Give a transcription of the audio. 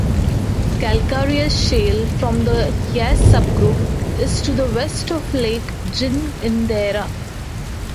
Calcareous Shale from the Yass Subgroup is to the west of Lake Ginninderra.